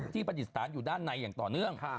ที่ปฏิสถานอยู่ด้านในอย่างต่อเนื่อง